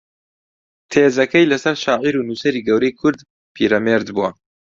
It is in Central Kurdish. تێزەکەی لەسەر شاعیر و نووسەری گەورەی کورد پیرەمێرد بووە